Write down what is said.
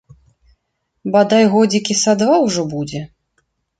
Бадай, годзікі са два ўжо будзе.